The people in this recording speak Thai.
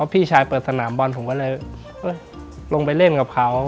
พี่ชายเปิดสนามบอลผมก็เลยลงไปเล่นกับเขา